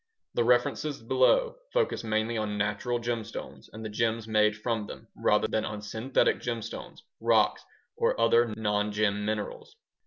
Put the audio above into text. The references below focus mainly on natural gemstones and the gems made from them rather than on synthetic gemstones, rocks, or other nongem minerals.